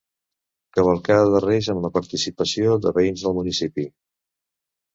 Cavalcada de reis, amb la participació de veïns de municipi.